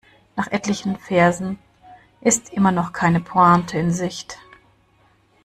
Nach etlichen Versen ist immer noch keine Pointe in Sicht.